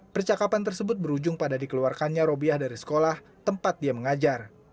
percakapan tersebut berujung pada dikeluarkannya robiah dari sekolah tempat dia mengajar